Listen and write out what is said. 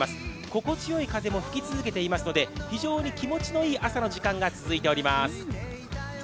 心地よい風も吹き続けていますので、非常に気持ちのいい朝の時間が続いております。